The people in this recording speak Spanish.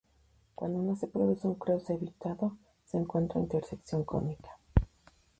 Cuando no se produce un cruce evitado, se encuentra una intersección cónica.